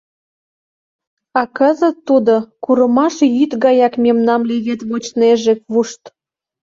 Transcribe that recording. А кызыт тудо курымаш йӱд гаяк мемнам левед вочнеже вушт.